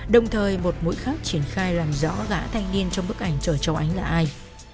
đồng thời một mũi khác triển khai làm rõ gã thanh niên trong bức ảnh chờ cháu ánh là ai